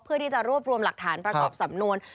เพื่อที่จะรวบรวมหลักฐานประกอบสำนวน